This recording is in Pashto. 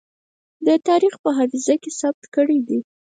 د تاريخ په حافظه کې ثبت کړې ده.